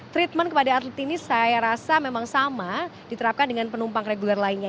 treatment kepada atlet ini saya rasa memang sama diterapkan dengan penumpang reguler lainnya